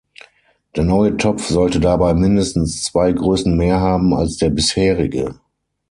Der neue Topf sollte dabei mindestens zwei Größen mehr haben als der bisherige.